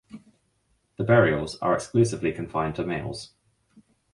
The burials are exclusively confined to males.